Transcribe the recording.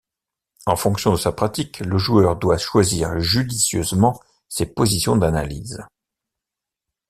En fonction de sa pratique, le joueur doit choisir judicieusement ses positions d'analyse.